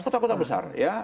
kota kota besar ya